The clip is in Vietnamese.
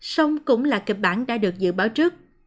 sông cũng là kịch bản đã được dự báo trước